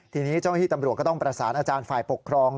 ทีนี้เจ้าหน้าที่ตำรวจก็ต้องประสานอาจารย์ฝ่ายปกครอง